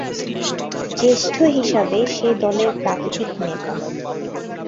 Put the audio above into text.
জ্যেষ্ঠ হিসেবে, সে দলের প্রাকৃতিক নেতা।